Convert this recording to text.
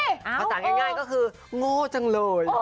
ภาษาง่ายก็คือโง่จังเลย